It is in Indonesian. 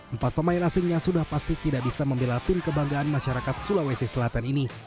empat pemain asingnya sudah pasti tidak bisa membela tim kebanggaan masyarakat sulawesi selatan ini